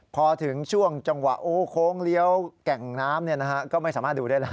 พอถึงช่วงจังหวะโค้งเลี้ยวแก่งน้ำก็ไม่สามารถดูได้แล้ว